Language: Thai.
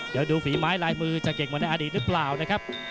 เดี๋ยวดูฝีไม้ลายมือจะเก่งมาในอดีตหรือเปล้า